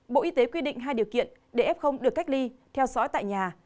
bộ y tế quy định hai điều kiện để f được cách ly theo dõi tại nhà